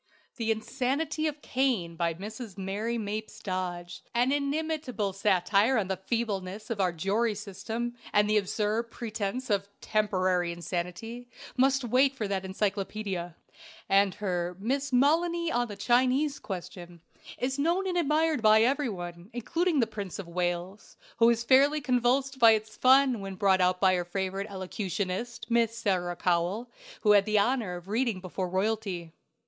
"The Insanity of Cain," by Mrs. Mary Mapes Dodge, an inimitable satire on the feebleness of our jury system and the absurd pretence of "temporary insanity," must wait for that encyclopædia. And her "Miss Molony on the Chinese Question" is known and admired by every one, including the Prince of Wales, who was fairly convulsed by its fun, when brought out by our favorite elocutionist, Miss Sarah Cowell, who had the honor of reading before royalty.